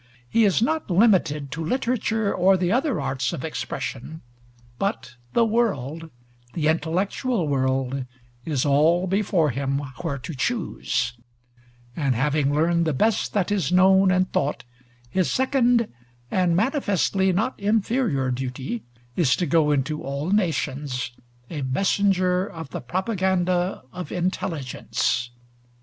He is not limited to literature or the other arts of expression, but the world the intellectual world is all before him where to choose; and having learned the best that is known and thought, his second and manifestly not inferior duty is to go into all nations, a messenger of the propaganda of intelligence.